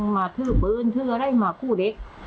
มาถือปืนชื่ออะไรมาคู่เด็ก